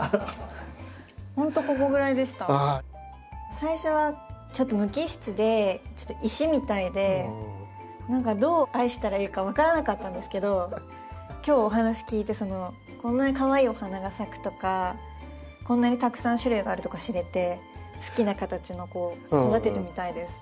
最初はちょっと無機質でちょっと石みたいで何かどう愛したらいいか分からなかったんですけど今日お話聞いてこんなにかわいいお花が咲くとかこんなにたくさん種類があるとか知れて好きな形の子を育ててみたいです。